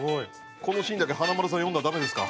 このシーンだけ華丸さん呼んだらダメですか？